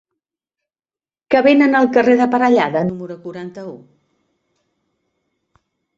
Què venen al carrer de Parellada número quaranta-u?